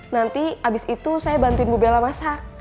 nanti abis itu saya bantuin bu bella masak